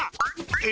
え？